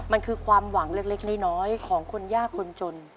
มันคือความหวังเล็กน้อยของคนยากคนจน